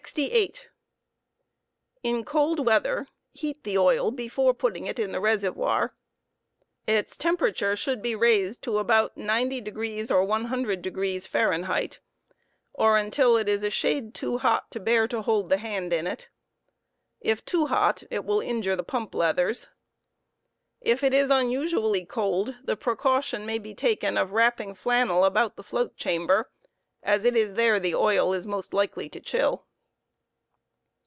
In cold weather, heat the oil before putting it in the reservoir. Its temperature on in cold should be raised to about 90° or 100° (Fahrenheit), or until it is a shade too hot to bear ™* Uwr * to hold the hand in it. If too hot it will injure the pump leathers. If it is unusually cold the precaution may be taken of wrapping flannel about the float chamber, as it is there the oil is most likely to chill.